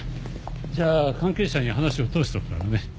じゃあ関係者に話を通しておくからね。